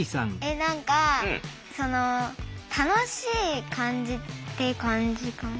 何かその楽しい感じって感じかな。